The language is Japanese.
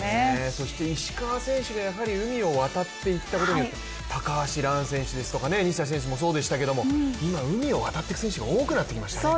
そして石川選手が海を渡っていったことによって、高橋藍選手ですとか、西田選手もそうでしたけど今、海を渡っていく選手が多くなってきましたね。